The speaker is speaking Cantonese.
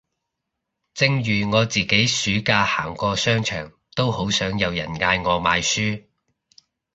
正如我自己暑假行過商場都好想有人嗌我買書